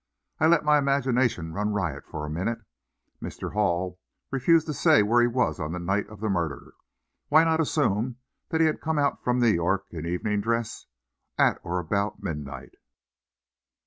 I let my imagination run riot for a minute. Mr. Hall refused to say where he was on the night of the murder. Why not assume that he had come out from New York, in evening dress, at or about midnight?